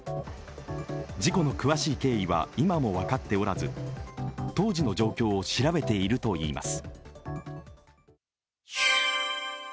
事故の詳しい経緯は今も分かっておらず当時の状況を調べているといいます。